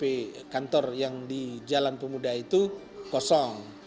jadi kantor yang di jalan pemuda itu kosong